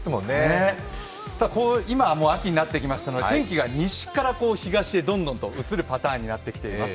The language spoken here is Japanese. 今はもう秋になってきましたので、天気が西から東へどんどん移るパターンになってきています。